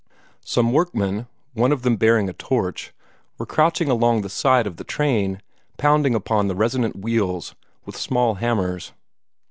Some workmen, one of them bearing a torch, were crouching along under the side of the train, pounding upon the resonant wheels with small hammers.